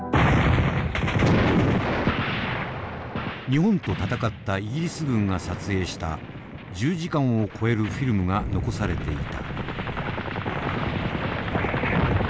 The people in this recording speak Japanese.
日本と戦ったイギリス軍が撮影した１０時間を超えるフィルムが残されていた。